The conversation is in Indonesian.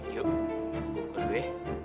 yuk buka dulu ya